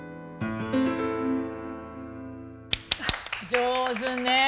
上手ねえ。